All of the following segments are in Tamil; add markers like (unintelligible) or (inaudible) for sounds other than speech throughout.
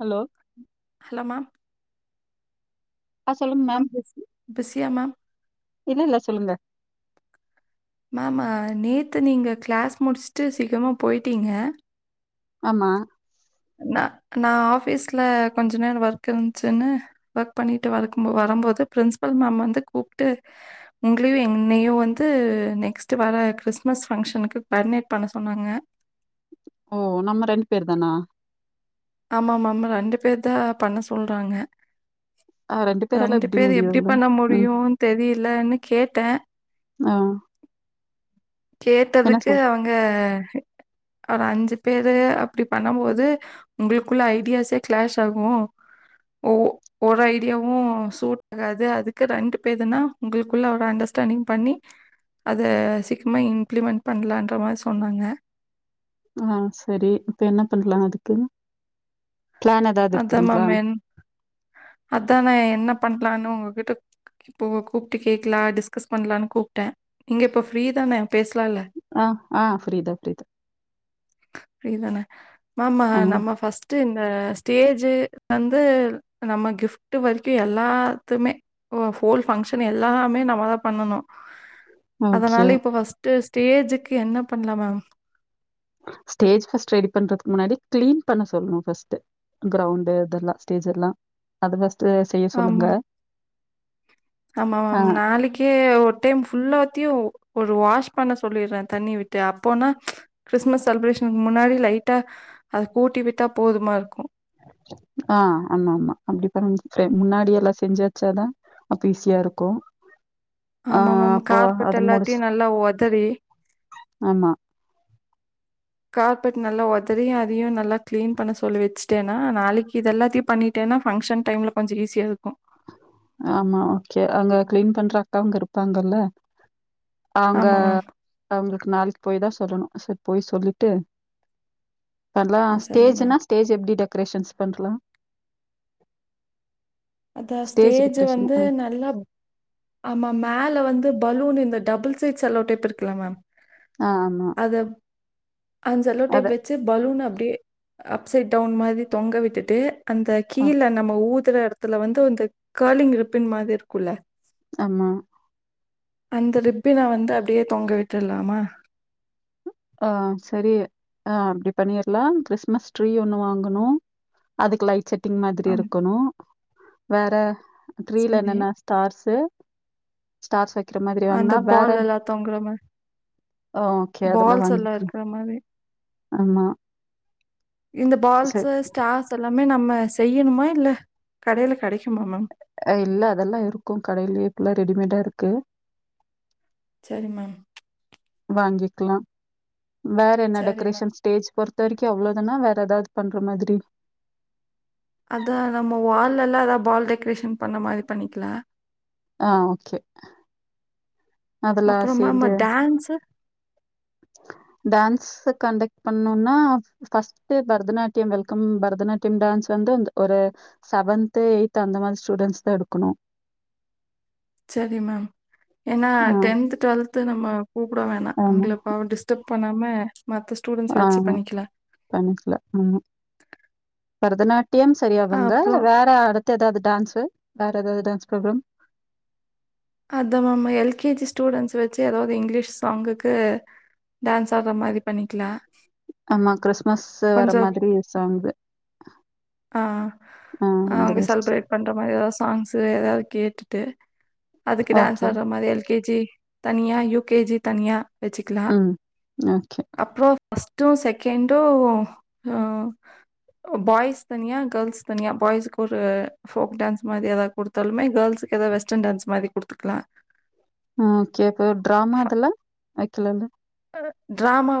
ஹலோ ஹலோமா ஆஹ சொல்லுங்க மேம் பிஸி பிஸியா மேம் இல்ல இல்ல சொல்லுங்க மேம் நேத்து நீங்க கிளாஸ் முடிச்சுட்டு சீக்கிரமா போயிட்டீங்க ஆமா ந நா ஆபிஸ்ல கொஞ்ச நேரோ வர்க் இருந்துச்சுன்னு வர்க் பண்ணிட்டு வருக்கும்போ வரம்போது ப்ரின்ஸ்பில் மேம் வந்து கூப்ட்டு உங்களையு என்னையு வந்து நெக்ஸ்ட் வர க்றிஸ்மஸ் ஃபங்க்ஷனுக்கு குவாடினேட் பண்ண சொன்னாங்க. ஓ நம்ம ரெண்டு பேர் தானா ஆமாமாமா ரெண்டு பேர்தா பண்ண சொல்றாங்க. ஆ பேரால ரெண்டு பேர் எப்டி முடியும்ல பண்ண ம் முடியு தெரிலன்னு கேட்ட ஆ என்ன கேட்டதுக்கு சொல் அவுங்க ஒரு அஞ்சு பேரு அப்டி பண்ணம் போது உங்குளுக்குள்ள ஐடியாஸே க்ளாஷ் ஆகு ஒ ஒரு ஐடியாவு சூட் ஆகாது அதுக்கு ரெண்டு பேதுனா உங்குளுக்குள்ள ஒரு அண்டர்ஸ்டாண்டிங் பண்ணி அத சீ சும்மா இம்ப்ளிமெண்ட் பண்லான்ற மாரி சொன்னாங்க ஆஹ் செரி இப்ப என்ன பண்லா அதுக்கு பிளான் ஏதாவது அதா இருக்குதுங்களா மேம் மென் அதா நா என்ன பண்லான்னு உங்கிட்ட இப்ப கூப்ட்டு கேட்கலா டிஸ்கஸ் பண்லான்னு கூப்ட்ட நீங்க இப்ப ஃப்ரீ தானெ பேச ஆஹ் ஆஹ் ப்ஃரீதா ப்ஃரீதா. ஃப்ரீதான மேம் ம் நம்ம ஃபஸ்ட் ஆ ஸ்டேஜ்ஜு வந்து நம்ம கிப்ஃட் வரிக்கு எல்லாத்துமே ஹோல் ஃபங்க்ஷன் எல்லாமே நம்மதா பண்ணனு. ஓகே அதனால இப்ப ஃப்ர்ஸ்ட்டு ஸ்டேஜுக்கு என்ன பண்ணலா மேம். ஸ்டேஜ் ஃபஸ்ட் ரெடி பண்றதுக்கு முன்னாடி கிளீன் பண்ண சொல்லனு ஃப்ஸ்ட்டு க்ரௌண்டு இடெல்லா ஸ்டேஜ்ஜு எல்லா அதுதா ஆமா ஆமா ஆ மேம் நாளைக்கே ஒரு டைம் ஃபுல்லா த்யு ஒரு வாஷ் பண்ண சொல்லிற்றே தண்ணி விட்டு அப்போனா க்றிஸ்மஸ் செல்ப்ரேஷனுக்கு முன்னாடி லைட்டா அத கூட்டி விட்டா போதுமா இருக்கு. ஆஹ் ஆமா ஆமா அப்டிப்ப (unintelligible) முன்னாடி எல்லா செஞ்சு வெச்சாதா அப்ப ஈஸியா இருக்கு ஆ ஆம்மா மேம் அப்போ கார்பெட் அது எல்லாத்தையு முடிச்சு நல்லா ஒதறி ஆமா கார்பெட் நல்லா ஒதரி அதியு நல்லா க்ளீன் பண்ண சொல்லி வெச்சு னா நாளக்கு இதெல்லாத்தயு பண்ணிட்டேன்னா ஃபங்க்ஷன் டைம்ல கொஞ்சொ ஈஸியா இருக்கு ஆமா ஓகே அங்க க்ளீன் பண்ற அக்காங்க இருப்பாங்கல்ல அவங்க ஆமா மேம் அவங் நாளிக்கு போய் தா சொல்லணு சேர் போய் சொல்லிட்டு அத்லா ஆ சரி மேம் ஸ்டேஜ்ன்னா ஸ்டேஜ் எப்டி டெக் க்ரேஷன்ஸ் பண்ட்லா அதா ஸ்டேஜு வந்து நல்லாப் ஆமா மேல வந்து பலூன் இந்த டபுள் சைட் செல்லோடேப் இருக்கல மேம் ஆ ஆமா. அத அத செலோடேப் வச்சு பலூன் அப்டியே அப் சைட் டவுன் மாதிரி தொங்க விட்டுட்டு அந்த அ கீழ நம்ம ஊ த்துற எடத்துல வந்து இந்த ஃகேலிங் ரிப்பன் மாதிரி இருக்குல்ல ஆமா அந்த ரிப்பின வந்து அப்டியே தொங்க விட்ருலாமா? ஆ, சரி ஆ அப்டி பண்ணிர்லா கிறிஸ்மஸ் ட்ரீ ஒண்ணு வாங்குணு. அதுக்கு லைட் செட் டிங் மாதிரி ஆம் இருக்கணு. வேற ட்ரீல சரி என்னன்ன ஸ்டார்ஸு ஸ்டார்ஸ் வை அந்த பால் எல்லா தொங்குற மாரி ஓகே. அதெல்லாம் பால் ஸ் எல்லா வாங்கிக்கலாம். இருக்கற மாரி ஆமா இந்த சரி. பால்ஸு, ஸ்டார்ஸ் எல்லாமே நம்ம ம செய்யணுமா? இல்ல கடையில கெடக்குமா மேம்? அஹ் இல்ல க்கு சரி மேம், வாங்கிக்குலா வேற என்ன சரி மேம். டெக்கரேஷன் ஸ்டேஜ் பொறுத் இது வரைக்கும் அவ்ளோவு தானா வேற ஏதாவது பண்ற மாதிரி அதா நம்ம வால்லல்லா ஏதாவ் பால் டெக்கரேஷன் பண்ண மாதிரி பண்ணிக்கிலா ஆ ஓகே அதெல்லா அப்புறம் மேம் சேந்து டான்ஸு டேன்ஸு கண்டக்ட் பண்ணோண்னா first Bharatanatyam welcome Bharatanatyam dance வந்து ஒரு செவன்த் எயி்த் அந்த மாதிரி ஸ்டூடென்ஸ் தா எடுக்குணு சேரி மேம் ஏன்னா டென்த்து ட்வெல்த்து நா மா கூப்புட வேணா ஆமா. அவங்ள‌ பாவம் டிஸ்டர்ப் பண்ணாம மத்த ஸ்டூடண்ட்ஸ் ஆ வச்சு ஆ பண்ணிக்கலாம். பண்ணிக்கிலா ம் ம் பருதநாட் டியம் செரி அவங்க அப்புறம் வேற அடுத் த்த ஏதாவது டேன்ஸு வேற ஏதாவது டேன்ஸ் ப்ரோக்ரம் அதா ma'am L K G students வெச்சி ஏதாவது இங்கிலீஷ் சாங்குக்கு டேன்ஸ் ஆட்ற மாரி பண்ணிக்கிலா ஆமா கிறிஸ்மஸு வர மாதிரி சாங்கு ஆ ஆ அந்த அவுங்க பெஸ்ட். செல்ப்பேர்ட் பண்ற மாரி எதாவ்து சாங்ஸ்சு எதாவ் கேடுட்டு அதுக்கு டான்ஸ் ஓகே. ஆட்ற மாரி எல் கே ஜி தனியா யு கே ஜி தன்யா வெச்சிக்குலா ம். ஓகே. அப்றோ ஃபஸ்ட்டு செகண்டு ம் பாய்ஸ் தனியா கேள்ஸ் தனியா பாய்ஸ்க்கு ஒரு போக் டான்ஸ் மாரி எதாவ்து கொடுத்தாலுமே கேள்ஸ்க் எதாவ் வெஸ்டர்ன் டான்ஸ் மாரி கொடுத்துக்கலா ம் சேப்ப டிராாமாதெல்லா வைக்கலால்ல ட்ராமா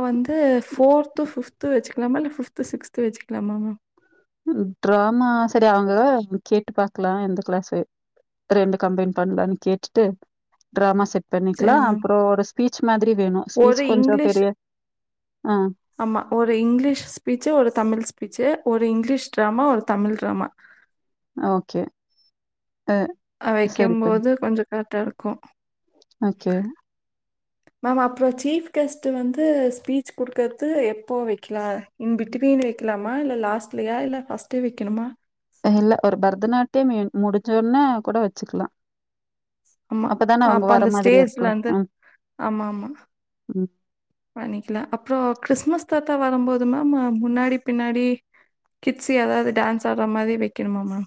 ட்ராமால பிப்து சிக்ஸ்து வெச்சிக்கலாமா மாம் டிராமா சரி அவங்க கேட்டு பாக்கலா அந்த கிளாஸ் ரெண்டு கம்பைன் பண்லானு கேட்டுட்டு டிராமா செட் செரி பண்ணிக்கலாம். மேம் அப்புறம் ஒரு ஸ்பீச் மாதிரி வேணும். ஸ்பீச் ஒரு கொஞ்சம் இங்லீஷ் பெரிய ஆ ஆம்மா ஒரு இங்லீஷ் ஸ்பீச்சு ஒரு தமிழ் ஸ்பீச்சு ஒரு இங்லீஷ் டிராமா ஒரு தமிழ் டிராமா ஓகே அ ஹ சரி பண்ணி வைக்கும்போது கொஞ்ச கரெட்டா இருக்கும் ஓகே. மேம் அப்றொம் சீஃப் கெஸ்ட் வந்து ஸ்பீச் குடுக்கற்து எப்போ வெக்கலா இன் பிட்வீன்னு வெக்கலாமா இல்ல லாஸ்ட்லயா இல்ல ஃபஸ்ட்டே வெக்கணுமா இல்ல ஒரு பரதநாட்டியம் ன் முடிஞ்சோனே கூட வெச்சுக்கலா அம்மா அப்பந்த ஸ்டேஜ்ல இருக்கலாம். வந்து ம். ஆமா ஆமா ம். பண்ணிக்கல அப்றொ கிறிஸ்மஸ் தாத்தா வரும்போது மேம் ம முன்னாடி பின்னாடி கிட்ஸி எதாது டான்ஸ் ஆட்ற மாரி வெக்கணுமா மேம்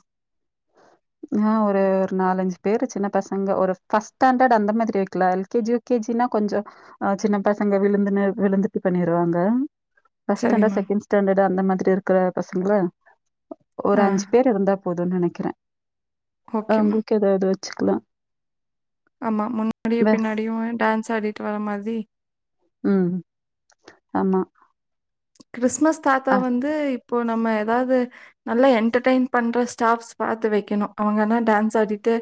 ஆஹ் ஒரு ஒரு நாலஞ்சு பேரு சின்ன பசங்க ஒரு பஸ்ட் ஸ்டாண்டர்ட் அந்த மாதிரி வெக்கலா L K G U K G னா கொஞ்ச ஹ சின்ன பசங்க விழுந்துன்னு விழுந்துட்டு பண்ணிருவாங்க பஸ்ட் சரி ஸ்டாண்ட மேம் செகண்ட் ஸ்டாண்டர்ட அந்தமாதிரி இருக்ற ப்ப சொல்ல ஒரு ஆ அஞ்சு பேரு இருந்தா போதுங்கற கிறே ஓகே மேம் உங்குளுக்கு எதாவ்து வச் ச்சுக்கலா ஆமா முன்னாடியு பின்னாடியு ஹ டான்ஸ் ஆடிட் ட்றர மாதி உம் ஆமா க்ரிஸ்மஸ் தாத்தா அ, வந்து ப்போ நம்ம எதாவ்து நல்ல என்டர்டய்ன் பண்ற ஸ்டாப்ஸ் பாத்து வைக்கணும் அவங்கனா டான்ஸ் ஆடிட்டே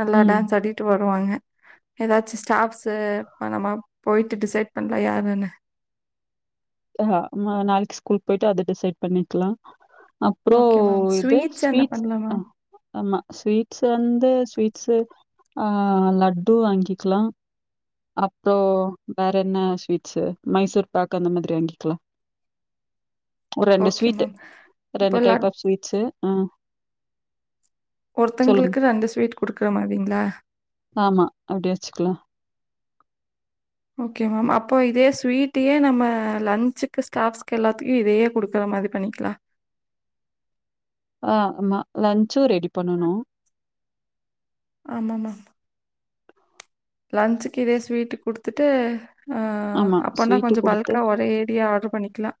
நல்லா ம் டான்ஸ் ஆடிட்டு வர் வாங்க எதாச்சு ஸ்டாப்ஸ்சு (unintelligible) போய்ட்டு டிசைட் பண்ல யாருனு ஆஹ நாளிக்கு ஸ்கூல்க் போய்ட்டு வந்துட்டு செட் பண்ணிக்லா ஓக்கே மேம் ஸ்வீட்ஸ் என்ன பண்லாம் மேம் ஆமா ஸ்வீட்ஸ் வந்து ஸ்வீட்ஸ் ஆஹ் லட்டு வாங்கிகலாம் அப்றோ வேற என்ன ஸ்வீட்ஸ்ஸூ மைசூர் பாக்கு அந்த மாதிர் வாங்கிக்கலா ஒரு ரெண்டு ஓகே ஸ்வீட் மேம். இப்போ ரெண்டு டைப் லட் ஆப் ஸ்வீட்ஸு உம் ஒருத்தங்களுக்கு ரண்டு ஸ்வீட் குடுக்குற மாரிங்ளா ஆமா அப்படி வச்சுக்கலாம் ஓக்கே மேம் அப்போ இதே ஸ்வீட்டயே நம்ம லஞ்ச்சுக்கு ஸ்டாப்ஸ்க் எல்லாத்தியும் இதே குடுக்குற மாதி பண்ணிக்கலா ஆஹ் ஆம்மா லன்ச் சு ரெடி பண்ணணும் லன்ச்சிக்கு இதே ஸ்வீட்டு குடுத்துட்டே ஆம்மா ஸ்வீட்டுக் குடுத்து ஏடியா ஆர்டர் பண்ணிக்கலாம்.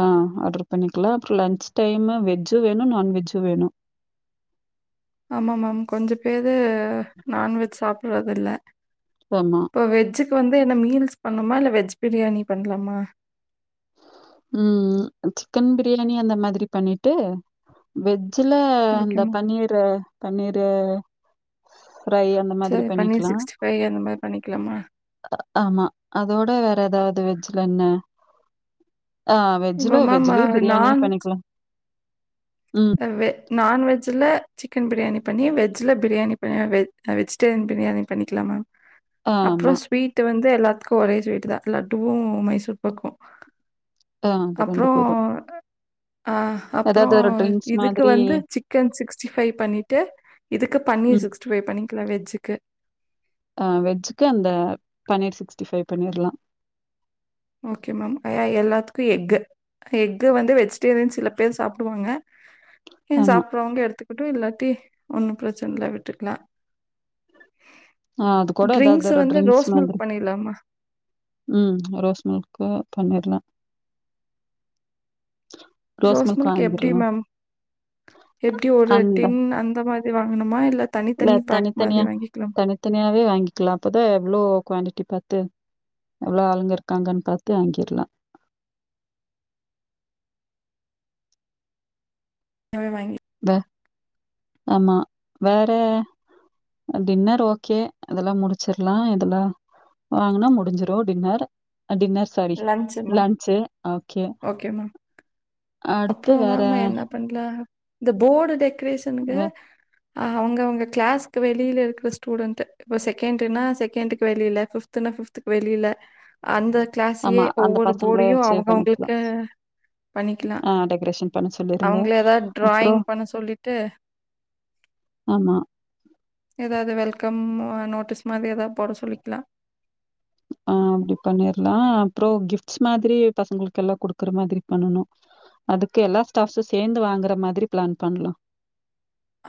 ஆஹ் ஆட்ரு பண்ணிக்கிலா அப்புற லன்ச் டைமு வெஜ்ஜு வேணும் நான்வெஜ்ஜும் வேணும் ஆம்மா மேம் கொஞ்சப் பேரு நான்வெஜ் சாப்புட்றது இல்ல ஆமா. இப்போ வெஜ் இப்ப வந்து என்ன மீல்ஸ் பண்ணுமா இல்ல வெஜ் பிரியாணி பண்ணலாமா உம் சிக்கென் பிரியாணி அந்த மாதிரி பண்ணிட்டு வெஜ் சில இந்த ஓகேம்மா. பன்னீரு பன்னீரு ஃப்ரை அந்த மாதிரி சரி பன்னீர் பண்ணிக்லாம் அந்த மாரி பண்ணிக்கலாமா? ஆம்மா அதோட வேற ஏதாவது இந்த வெஜ்ல என்ன ஆஹ் இப்போ வெஜ்ல மேம் வெஜ்லேய் பிரியாணியே நான்வெஜ் பண்ணிக்கலாம் ம். வெ நான்வெஜ்ஜில சிக்கன் பிரியாணி பண்ணி வெஜ்ஜிலப் பிரியாணி பண்ணி வெஜ் வெஜிடேரியன் பிரியாணி பண்ணிக்கலாம் மேம் ஆமா. அப்றோம் ஸ்வீட் வந்து து எல்லாத்துக்கும் ஒரே ஸ்வீட்டு தான் லட்டுவும் மைசூர் பாக்கும் ஆ அது அப்றோம் போதும். ஆஹ் ஏதாவது அப்றோம் ஒரு ட்ரிங்க்ஸ் இதுக்கு மாதிரி வந்து சிக்கன் சிக்ஸ்டி ஃபைவ் பண்ணிட்டு இதுக்கு பன்னீர் ம். சிக்ஸ்ட்டி ஃபைவ் பண்ணி க்லா வெஜ்ஜிக்கு ஆஹ் வெஜ்ஜிக்கு அந்த பன்னீர் சிக்ஸ்டி ஃபைவ் பண்ணிர்லாம் ஓகே மேம் ஆஹ் எல்லாத்துக்கு எஃகு எஃகு வந்து வெஜிடேரியன் சில பேர் சாப்புடுவாங்க சிக்கேன் ஆமா. சாப்ட்றவங்க எடுத்துக்கிட்டு இல்ல ட்டி ஒன்னுப் பிரச்சன்ல விட்டுக்லாம் ஆஹ் அது கோட எதாது ட்ரிங்க்ஸ் ஒரு வந்து ட்ரிங்ஸ் ரோஸ் மில்க் மாத்ரி பண்ணிடலாமா? உம் ரோஸ் உங்களுக்குப் பண்ணிற்லாம் ரோஸ்மில்க் எப்டி மேம் எப்டி ஒரு அந்த டின் அந்த மாத் ரி வாங்கணுமா இல் இல்ல தனித்தனியா தனித்தனியாவே வாங்கிக்லாம் அப்போதான் எவ்ளோ குவான்டிடி பாத்து எவ்ளோ ஆளுங்க இருக்காங்கன்னு பாத்து வாங்கிர்லாம் (unintelligible) வே ஆம்மா வேற டின்னர் ஓகே அதெல்லாம் முடிச்சிர்லாம் இதெல்லாம் வாங்குனா முடிஞ்ஜிரு டின்னர் டின்னர் சாரி லஞ்ச்சுமா? லன்ச்சி ஓகே மேம் அடுத்து அப்றோம் வேற மேம் என்ன பண்ணலா இந்த போடு டெக்ரேஷனுக்கே வே ஆ அவுங்க அவுங்க கிளாஸ்க்கு வெளிலே இர்க்ற ஸ்டூடண்ட்டு வ் இவ செகண்ட்டுனா செகண்ட்க்கு வெளிலே ஃபிப்த்துனா ஃபிப்த்துக் வெளிலே அந்த கிளாஸ் எ ஆமா. அந்த ஒவ்வொரு பசங்கள போர்டையு வச்சு அவுங்க அவுங்குளுக் பண்ணிக்கலாம். ஆ பண்ணிக்கிலா ஆ டெக்கரேஷன் பண்ண சொல்லிருங்க. அவுங்ளே எதா டிராயிங் அப்புறம் பண்ண சொல்லிட்டு ஆமா. (unintelligible) எதாவுது வெல்கம் ஆ நோட்டீஸ் மாதிரி எதா போட சொல்லிக்லா ஆ அப்டி பண்ணிர்லா அப்றோ கிஃப்ட்ஸ் மாத்ரி பசங்குளுக் கெல்லா குடுக்குற மாதிரி பண்ணனோ அதுக்கு எல்லா ஸ்டாஃப்ஸ்சு சேந்து வாங்குற மாதிரி பிளான் பண்லா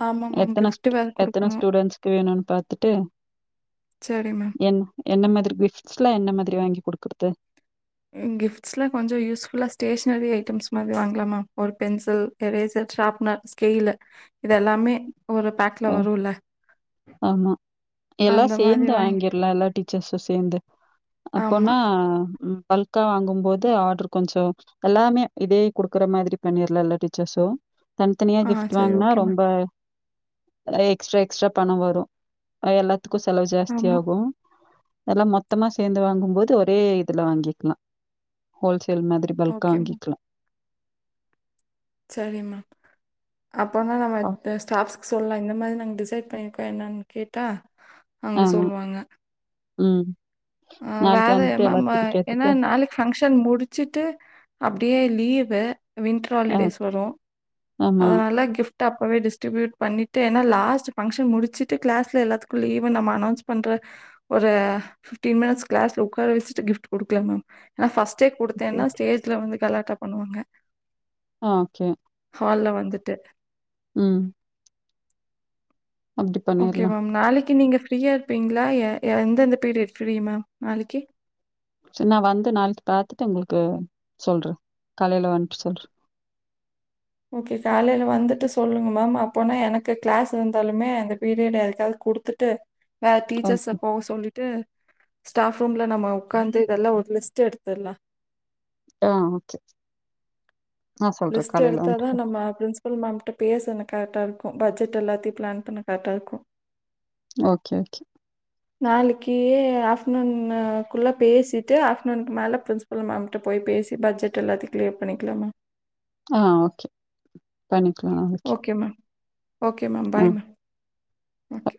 ஆமாம் மேம் எத்தனே ஸ்ட்டு வேறு எத்தனே கொடுக்கணும் ஸ்டூடண்ட்ஸ்க்கு வேணுன் பாத்துட்டு சரி மேம் என் என்ன மாதிரி கிஃப் ஸ்லா என்ன மாதிரி வாங்கி குடுக்குற்து ம் கிஃப்ட்ஸ்லே கொஞ்சோ யூஸ்ஃபுல்லா ஸ்டேஷனரி ஐட்டம்ஸ் மாதி வாங்லாமா ஒரு பென்சில் எரேசர் ஷாட்ப்னர் ஸ்கேலு இதெல்லாமே ஒரு பேக் லே அ வருலே ஆமா எல்லா மாதிரி சேந்து வாங்கி வாங்கிர்லா இல்லாட்டி ஸ்ஸு சேந்து ஆமா. அப்போனா ம் பல்கா வாங்கும் போது ஆர்டர் கொஞ்ச எல்லாமே இதே குடுக்குற மாதிரி பண்ணிர்லா எல்லா டீச்சர்ஸு தனித்தனியா ஆ கிஃப்ட் சரி வாங்னா ஓகே மேம். ரொம்ப எக்ஸ்ட்ர எக்ஸ்ட்ர பண வரு எல்லாத் துக்கு செலவு ஜாஸ்தி ஆமா. ஆகு எல்லா மொத்தமா சேந்து வாங்கும் போது ஒரே இதுல வாங்கிக்லா ஹோல்சே ல் மாதிரி பல்கா ஓகே மேம். வாங்கிக்லா சரி மேம் அப்பதா நம்ம ஆ. த ஸ்டாஃப்ஸ் சொல்லா இந்த மாரி நாங்க டிசைட் பண்ணிருக்கோ என்னன் கேட்டா அங்க ஆமா. சொல்வாங்க ம் ஆ நாளைக்கு வேற வந்துட்டு என்னா ம எல்லாத்துக்கிட்ட ஏன்னா கேட்டுட்டு நாளைக்கு ஃபங்க்ஷன் முடிச்சுட்டு அப்டியே லீவு அ வின்ட்ரு ஆ ஹாலிடேஸ் வரும் ஆமா. அதனால கிஃப்ட ஆப் ப்பவே டிஸ்ட்ரிபியூட் பண்ணிட்டு ஏன்னா லாஸ்ட் ஃபங்க்ஷன் முடிச்சுட்டு கிளாஸ்ல எல்லாத்துக்கும் லீவுன் நம்ம அனவுன்ஸ் பண்ற ஒரு டி மேன்ட்ஸ் கிளஸ்ல உக்கார வெச்சிட்டு கிஃப்ட் குடுக்குலாங் மேம் அ ஃபஸ் ட்டே குடுத்தேன்னா ஸ்டேஜ்ல வந்துட் கலாட்டா பண்ணுவாங்க ஆ கே ஹால்ல வந்துட்டு ம் அப்படி ஓகே பண்ணிரலாம். மேம் நாளைக்கு நீங்க ஃப்ரீயா இருப்பீங்களா எ எந்தெந்த பீரியட் ஃப்ரீ மேம் நாளைக்கு சரி நா வந்து நாளைக்கு பாத்துட்டு உங்களுக்கு சொல்ற காலையில வந்துட்டு சொல்ற ஓகே காலையில வந்துட்டு சொல்லுங்க மேம் அப்போனா எனக்கு கிளாஸ் இருந்தாலுமே அந்த பீரியட் யாருக்காவது குடுத்துட்டு வேற டீச்சர்ஸ ஓகே. போக சொல்லிட்டு ஸ்டாஃப் ரூம்ல நம்ம உக்காந்து இதெல்லா ஒரு லிஸ்ட் எடுத்துர்லா ஆஹ் ஓகே நான் சொல்றேன். லிஸ்ட் காலையில வந்துட்டு எடுத்தாதா நம்ம அட்னன்ஸ் பல் மேம்ட்ட பேச எனக்கு கரெக்டா இருக்கு பட்ஜெட் எல்லாத்தையு பிளான் பண்ண கரெக்டா இருக்கு ஓகே ஓகே நாளைக்கு ஆஃப்டர் நூனுக்குள்ள பேசிட்டு ஆஃப்டர்நூனுக்கு மேல பிரின்ஸ்பல் மேம்கிட்ட போய் பேசி பட்ஜெட் எல்லாத்தையு கிளியர் பண்ணிக்கலாமா ஆஹ் ஓகே பண்ணிக்கலா okay okay ma'am bye ma'am okay